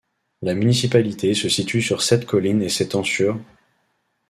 La municipalité se situe sur sept collines et s’étend sur .